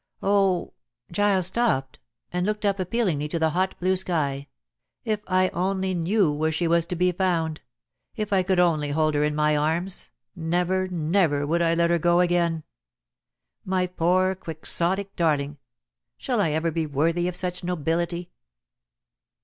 Oh" Giles stopped and looked up appealingly to the hot, blue sky "if I only knew where she was to be found, if I could only hold her in my arms, never, never would I let her go, again! My poor Quixotic darling, shall I ever be worthy of such nobility?"